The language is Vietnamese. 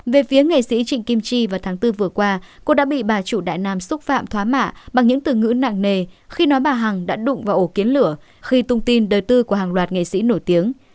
về phía nghệ sĩ trịnh kim chi vào tháng bốn vừa qua cô đã bị bà chủ đại nam xúc phạm thỏa mã bằng những từ ngữ nặng nề khi nói bà hằng đã đụng vào ổ kiến lửa khi tung tin đời tư của hàng loạt nghệ sĩ nổi tiếng